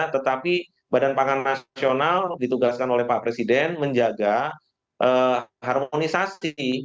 tetapi badan pangan nasional ditugaskan oleh pak presiden menjaga harmonisasi